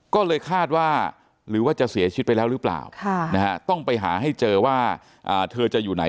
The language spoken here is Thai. ก็เลยคาดว่าหรือว่าจะเสียชีวิตไปแล้วหรือเปล่าต้องไปหาให้เจอว่าเธอจะอยู่ไหน